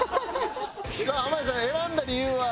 さあ濱家さん選んだ理由は？